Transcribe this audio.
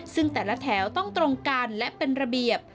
ซึ่งแต่ละแถวต้องตรงกันและเป็นระเบียบ